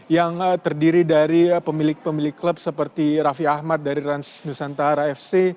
yang terdiri dari pemilik pemilik klub seperti raffi ahmad dari rans nusantara fc